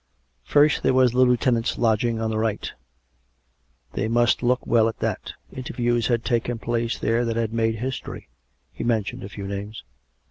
First there was the Lieutenant's lodging on the right. They must look well at that. Interviews had taken place there that had made history. (He mentioned a few names.)